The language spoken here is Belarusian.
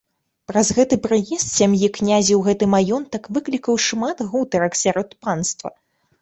Праз гэта прыезд сям'і князя ў гэты маёнтак выклікаў шмат гутарак сярод панства.